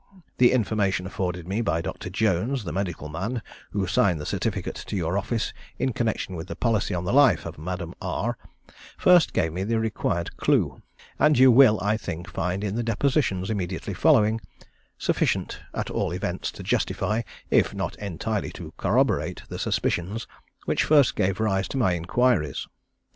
The information afforded me by Dr. Jones, the medical man who signed the certificate to your office in connection with the policy on the life of Madame R, first gave me the required clue, and you will, I think, find in the depositions immediately following, sufficient, at all events, to justify, if not entirely to corroborate, the suspicions which first gave rise to my inquiries.